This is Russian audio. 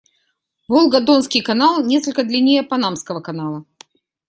Волго-Донской канал несколько длиннее Панамского канала.